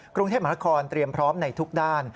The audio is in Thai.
กรุงเทพมหานครเตรียมพร้อมในทุกด้าน